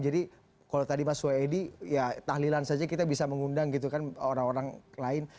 jadi kalau tadi mas woyedi ya tahlilan saja kita bisa mengundang gitu kan orang orang lain